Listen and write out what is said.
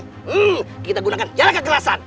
hmm kita gunakan jarak kegerasan